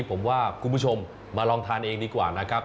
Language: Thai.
ผมว่าคุณผู้ชมมาลองทานเองดีกว่านะครับ